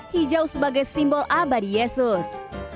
hijau sebagai simbol abadi yesus